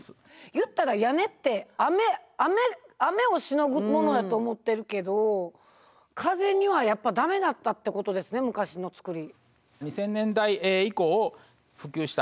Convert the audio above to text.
言ったら屋根って雨をしのぐものやと思ってるけど風にはやっぱ駄目だったってことですね昔の造り。